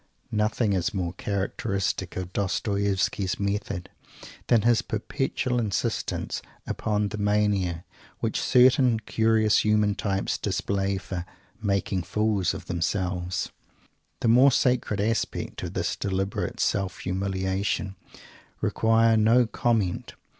Nothing is more characteristic of Dostoievsky's method than his perpetual insistence upon the mania which certain curious human types display for "making fools of themselves." The more sacred aspects of this deliberate self humiliation require no comment.